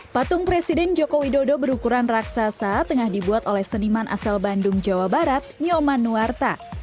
patung presiden joko widodo berukuran raksasa tengah dibuat oleh seniman asal bandung jawa barat nyoman nuwarta